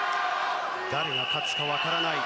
誰が勝つか分からない。